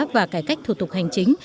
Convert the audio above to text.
và cải cách thủ tục hành chính